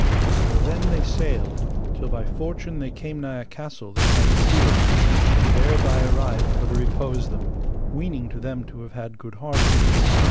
So then they sailed till by fortune they came nigh a castle that hight Pluere, and thereby arrived for to repose them, weening to them to have had good harbourage.